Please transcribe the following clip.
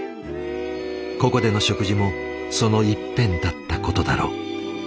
ここでの食事もその一片だったことだろう。